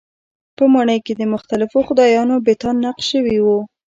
په ماڼۍ کې د مختلفو خدایانو بتان نقش شوي وو.